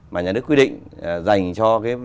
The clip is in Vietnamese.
mà nhà nước quy định dành cho